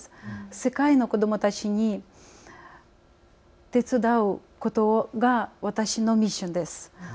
世界の子どもたちに手伝うことが私のミッションです。